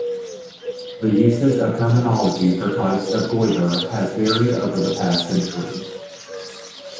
The usage of terminology for types of goiter has varied over the past century.